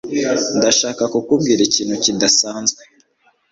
Ndashaka kukubwira ikintu kidasanzwe.